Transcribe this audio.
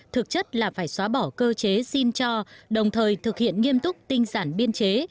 thực chất là phải xóa bỏ cơ chế xin cho đồng thời thực hiện nghiêm túc tinh giản biên chế